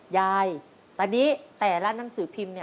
ยายปันนี้แต่ละนังสือพิมพ์